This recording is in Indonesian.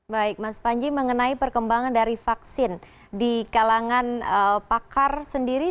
baik mas panji mengenai perkembangan dari vaksin di kalangan pakar sendiri seperti apa perkembangan vaksin